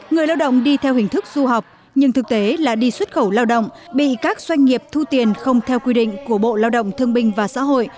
người lao động đi theo hình thức du học nhưng thực tế là đi xuất khẩu lao động bị các doanh nghiệp thu tiền không theo quy định của bộ lao động thương binh và xã hội